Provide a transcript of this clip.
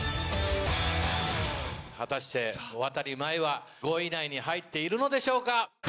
果たして渡万依は５位以内に入っているのでしょうか？